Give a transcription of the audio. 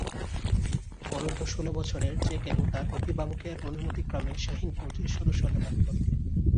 অনূর্ধ্ব ষোল বছরের যে কেহ তার অভিভাবকের অনুমতিক্রমে শাহীন ফৌজের সদস্য হতে পারত।